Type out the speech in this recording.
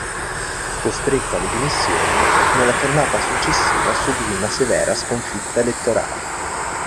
Costretto alle dimissioni, nella tornata successiva subì un severa sconfitta elettorale.